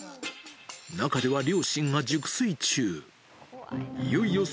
中では両親が熟睡中。